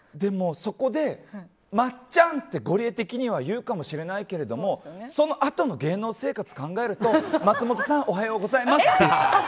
そこでまっちゃんってゴリエ的には言うかもしれないけどそのあとの芸能生活を考えると松本さんおはようございますって。